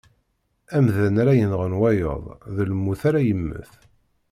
Amdan ara yenɣen wayeḍ, d lmut ara yemmet.